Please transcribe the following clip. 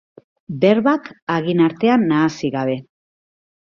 Berbak hagin artean nahasi gabe.